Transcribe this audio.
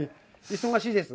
忙しいです。